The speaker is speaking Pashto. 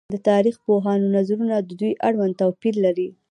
د تاريخ پوهانو نظرونه د دوی اړوند توپير لري